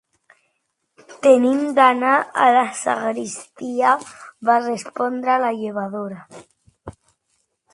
- Tenim d'anar a la sagristia - va respondre la llevadora.